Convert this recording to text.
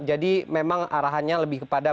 jadi memang arahannya lebih kepada